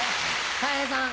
たい平さん。